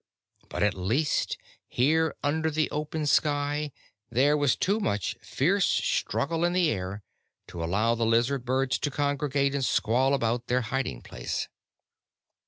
But at least, here under the open sky, there was too much fierce struggle in the air to allow the lizard birds to congregate and squall about their hiding place.